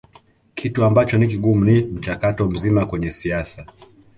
Kitu ambacho ni kigumu ni mchakato mzima kwenye siasa